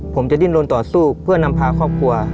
ผมจะดิ้นลนต่อสู้เพื่อนำพาครอบครัว